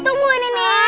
tungguin ini nih